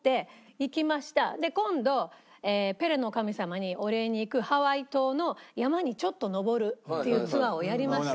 今度ペレの神様にお礼に行くハワイ島の山にちょっと登るっていうツアーをやりました。